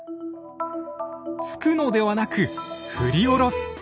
突くのではなく振り下ろす。